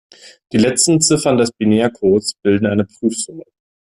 Die letzten Ziffern des Binärcodes bilden eine Prüfsumme.